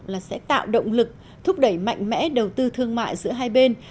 là sẽ tạo động lực thúc đẩy mạnh mẽ đầu tư thương mại giữa hai bên